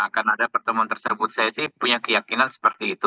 karena ada pertemuan tersebut saya sih punya keyakinan seperti itu